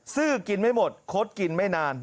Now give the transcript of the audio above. ซื้อกินไม่หมดคดกินไม่นาน